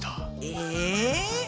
え！